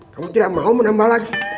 kamu tidak mau menambah lagi